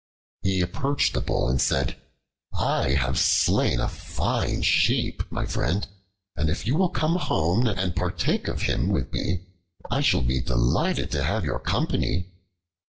He approached the Bull and said, "I have slain a fine sheep, my friend; and if you will come home and partake of him with me, I shall be delighted to have your company."